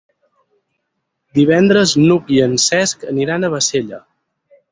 Divendres n'Hug i en Cesc aniran a Bassella.